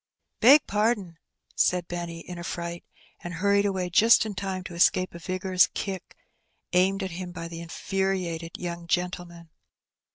''Beg pardon," said Benny, in a fright, and hurried away just in time to escape a vigorous kick aimed at him by the infuriated young gentleman.